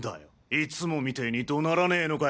いつもみてえに怒鳴らねえのかよ。